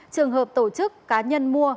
trường hợp tổ chức cá nhân mua